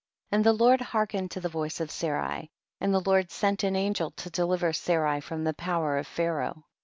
19. And the Lord hearkened to the voice of Sarai, and the Lord sent an angel to deliver Sarai from the power of Pharaoh.